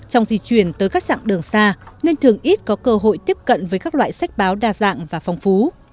trong di chuyển tới các trạng đường xa nên thường ít có cơ hội tiếp cận với các loại sách báo đa dạng và phong phú